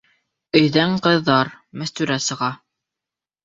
Өйҙән ҡыҙҙар, Мәстүрә сыға.